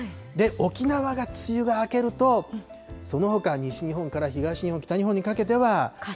沖縄が梅雨が明けると、そのほか、西日本から東日本、北日本にかけては。